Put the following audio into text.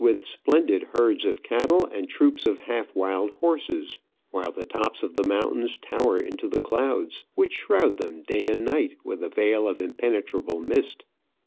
105 splendid herds of cattle and troops of half wild horses, while the tops of the mountains tower into the clouds, which shroud them day and night with a veil of im penetrable mist.